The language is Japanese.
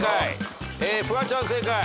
フワちゃん正解。